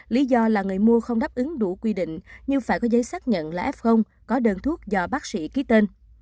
lý do là người mua không đáp ứng đủ quy định nhưng phải có giấy xác nhận là f có đơn thuốc do bác sĩ ký tên